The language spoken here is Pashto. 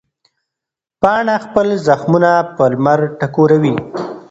پاڼه خپل زخمونه په لمر ټکوروي.